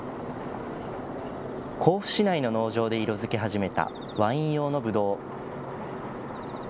甲府市内の農場で色づき始めたワイン用のぶどう。